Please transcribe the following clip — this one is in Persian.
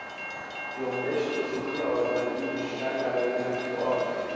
جنبش به سوی آزادی بیشتر برای مطبوعات